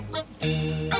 keh gini ya